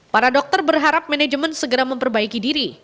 para dokter berharap manajemen segera memperbaiki diri